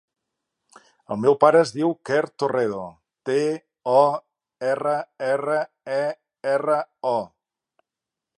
El meu pare es diu Quer Torrero: te, o, erra, erra, e, erra, o.